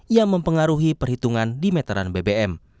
yang mempengaruhi perhitungan di meteran bbm